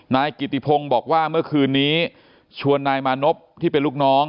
นายกิติพงศ์บอกว่าเมื่อคืนนี้ชวนนายมานพที่เป็นลูกน้อง